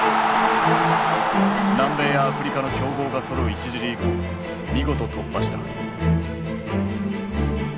南米やアフリカの強豪がそろう一次リーグを見事突破した。